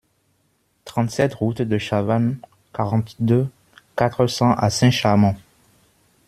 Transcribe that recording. trente-sept route de Chavanne, quarante-deux, quatre cents à Saint-Chamond